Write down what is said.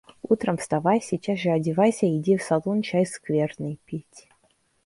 Утром вставай, сейчас же одевайся, иди в салон чай скверный пить.